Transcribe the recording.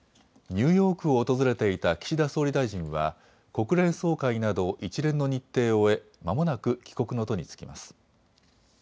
ニューヨークを訪れていた岸田総理大臣は国連総会など一連の日程を終えまもなく帰国の途に就きます。